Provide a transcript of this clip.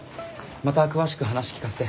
また詳しく話聞かせて。